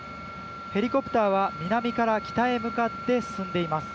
ヘリコプターは南から北へ向かって進んでいます。